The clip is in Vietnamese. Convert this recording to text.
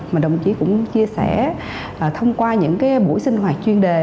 mà đồng chí cũng chia sẻ thông qua những buổi sinh hoạt chuyên đề